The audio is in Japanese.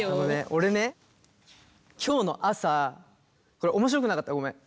俺ね今日の朝これ面白くなかったらごめん。